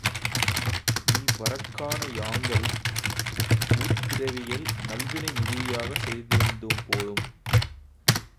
நீ வரக்காண யாங்கள் முற்பிறவியில் நல்வினை மிகுதியாகச் செய்திருந்தோம் போலும்.